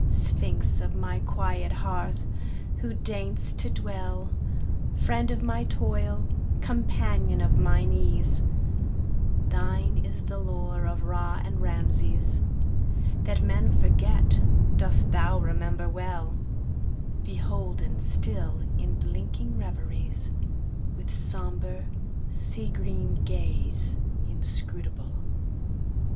Sphinx of my quiet hearth! who deign'st to dwellFriend of my toil, companion of mine ease, Thine is the lore of Ra and Rameses; That men forget dost thou remember well, Beholden still in blinking reveriesWith sombre, sea green gaze inscrutable.